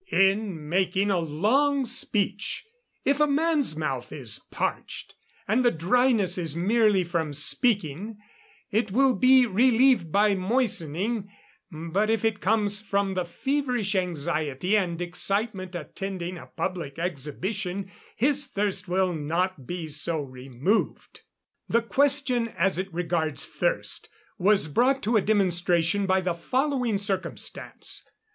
In making a long speech, if a man's mouth is parched, and the dryness is merely from speaking, it will be relieved by moistening, but if it comes from the feverish anxiety and excitement attending a public exhibition, his thirst will not be so removed. The question, as it regards thirst, was brought to a demonstration by the following circumstance.